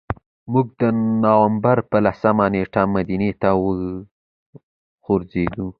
موږ د نوامبر په لسمه نېټه مدینې ته وخوځېدو.